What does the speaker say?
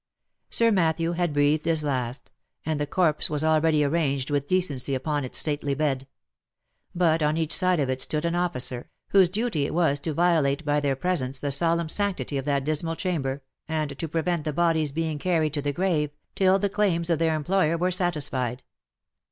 Sir Matthew had breathed his last, and the corpse was already ar ranged with decency upon its stately bed ; but, on each side of it stood an officer, whose duty it was to violate by their presence the solemn sanctity of that dismal chamber, and to prevent the body's being carried to the grave, till the claims of their employer were satisfied.